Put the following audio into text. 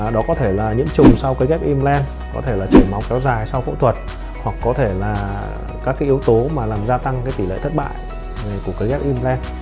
đó có thể là nhiễm trùng sau kế ghép implant có thể là chảy máu kéo dài sau phẫu thuật hoặc có thể là các cái yếu tố mà làm gia tăng cái tỷ lệ thất bại của kế ghép implant